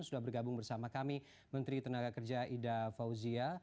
sudah bergabung bersama kami menteri tenaga kerja ida fauzia